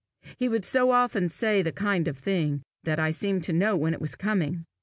He would so often say the kind of thing, that I seemed to know when it was coming.